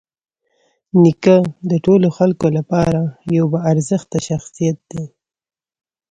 نیکه د ټولو خلکو لپاره یوه باارزښته شخصیت دی.